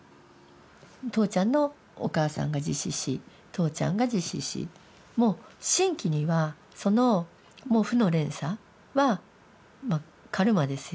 父ちゃんのお母さんが自死し父ちゃんが自死しもう真気にはそのもう負の連鎖はカルマですよね